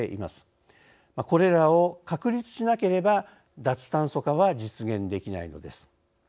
これらを確立しなければ脱炭素化は実現できないのです。